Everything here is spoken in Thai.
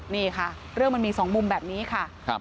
นี่ค่ะเรื่องมันมี๒มุมแบบนี้ค่ะ